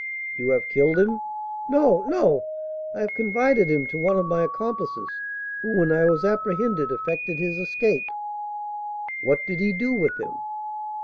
"You have killed him!" "No, no! I have confided him to one of my accomplices, who, when I was apprehended, effected his escape." "What did he do with him?"